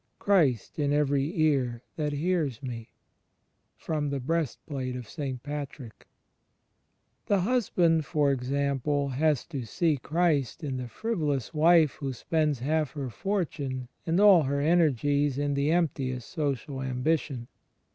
Christ in every ear that hears me." * The husband, for example, has to see Christ in the frivolous wife who spends half her fortime and all her energies in the emptiest social am bition.